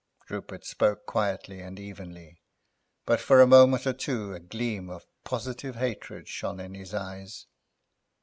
Rupert spoke quietly and evenly, but for a moment or two a gleam of positive hatred shone in his eyes.